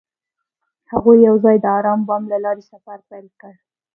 هغوی یوځای د آرام بام له لارې سفر پیل کړ.